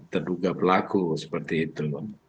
terduga pelaku seperti itu